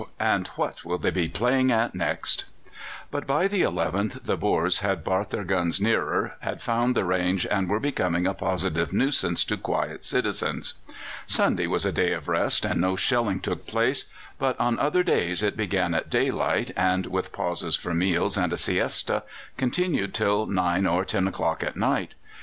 and what will they be playing at next?" But by the 11th the Boers had brought their guns nearer, had found the range, and were becoming a positive nuisance to quiet citizens. Sunday was a day of rest and no shelling took place, but on other days it began at daylight, and, with pauses for meals and a siesta, continued till nine or ten o'clock at night.